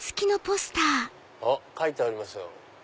あっ書いてありますよ。